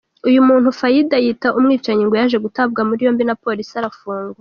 Uyu muntu Faida yita umwicanyi ngo yaje gutabwa muri yombi na Polisi arafungwa.